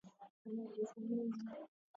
Man šķiet, ka tā nav pareizi.